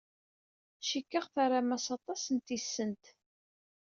Cikkeɣ terram-as aṭas n tisent.